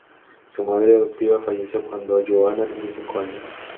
Su madre adoptiva falleció cuando Joanna tenía cinco años.